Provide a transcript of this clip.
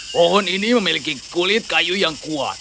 pohon ini memiliki kulit kayu yang kuat